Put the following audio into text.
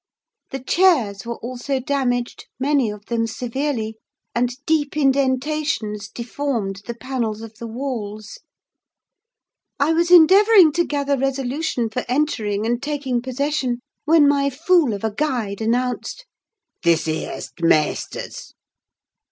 The chairs were also damaged, many of them severely; and deep indentations deformed the panels of the walls. I was endeavouring to gather resolution for entering and taking possession, when my fool of a guide announced,—"This here is t' maister's."